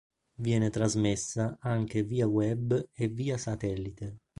Viene trasmessa anche via web e via satellite.